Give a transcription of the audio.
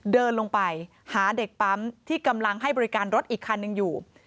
เดินลงไปหาเด็กปั๊มที่กำลังให้บริการรถอีกคันหนึ่งอยู่